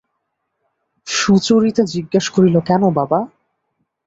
সুচরিতা জিজ্ঞাসা করিল, কেন বাবা?